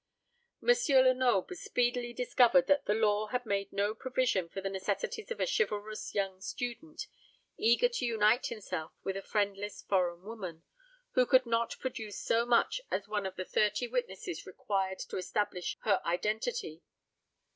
M. Lenoble speedily discovered that the law had made no provision for the necessities of a chivalrous young student eager to unite himself with a friendless foreign woman, who could not produce so much as one of the thirty witnesses required to establish her identity.